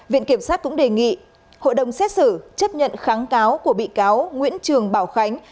viện kiểm sát cũng đề nghị hội đồng xét xử chấp nhận kháng cáo của bị cáo nguyễn trường bảo khánh